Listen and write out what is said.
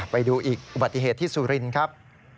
ไปดูอีกอุบัติเหตุที่สุรินทร์ครับ